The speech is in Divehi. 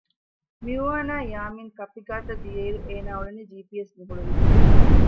މިއުވާންއާއި ޔާމިން ކައްޕި ގާތަށް ދިޔައިރު އޭނާ އުޅެނީ ޖީޕީއެސް ނުހުޅުވިގެން